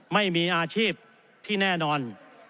ไม่มีอาชีพที่แน่นอน